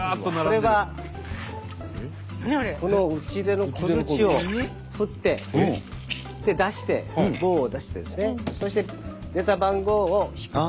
これはこの打ち出の小づちを振って出して棒を出してそして出た番号を引くと。